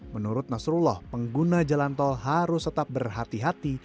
menurut nasrullah pengguna jalan tol harus tetap berhati hati